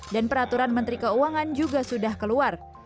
dan peraturan menteri keuangan juga sudah keluar